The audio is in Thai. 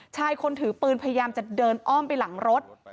ชายคนถือปืนพยายามจะเดินอ้อมไปหลังรถ